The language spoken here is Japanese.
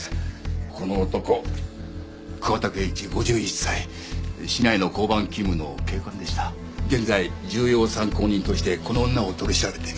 この男桑田謙一５１歳市内の交番勤務の警官でした現在重要参考人としてこの女を取り調べています